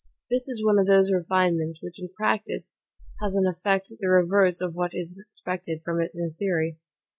This is one of those refinements which, in practice, has an effect the reverse of what is expected from it in theory.